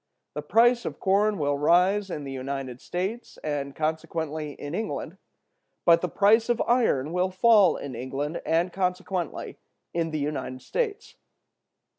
The price of corn will rise in the United States, and consequently in England; but the price of iron will fall in England, and consequently in the United States.